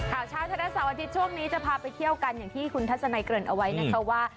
ข่าวเช้าเท่าที่เท่านี้จะพาไปเที่ยวกันอย่างที่คุณธรรมใจเกริญเอาไว้นะครับว่า